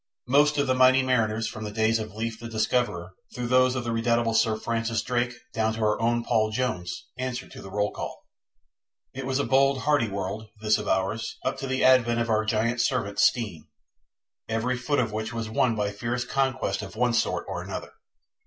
Most of the mighty mariners from the days of Leif the Discoverer, through those of the redoubtable Sir Francis Drake down to our own Paul Jones, answer to the roll call. It was a bold hardy world this of ours up to the advent of our giant servant, Steam, every foot of which was won by fierce conquest of one sort or another.